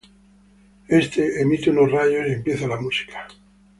Éste emite unos rayos y empieza la música.